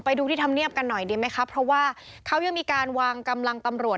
ไปดูที่ธรรมเนียบกันหน่อยดีไหมคะเพราะว่าเขายังมีการวางกำลังตำรวจ